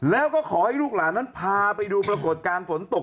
แล้วก็ขอให้ลูกหลานนั้นพาไปดูปรากฏการณ์ฝนตก